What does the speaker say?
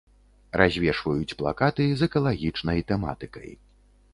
Развешваюць плакаты з экалагічнай тэматыкай.